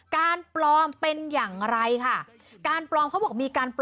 การปลอมเป็นอย่างไรคะ